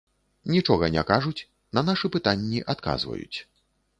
Нічога не кажуць, на нашы пытанні адказваюць.